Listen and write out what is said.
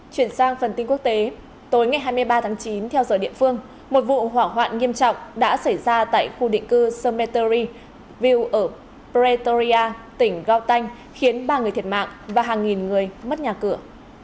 chuyển sang phần tin quốc tế tối ngày hai mươi ba tháng chín theo dõi địa phương một vụ hoảng hoạn nghiêm trọng đã xảy ra tại khu định cư cemeteryville ở pretoria tỉnh gauteng khiến ba người thiệt mạng và hàng nghìn người mất nhà cửa